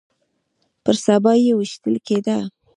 پر سبا يې ويشتل کېده.